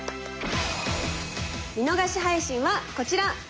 見逃し配信はこちら！